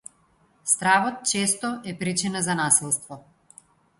Стравот често е причина за насилство.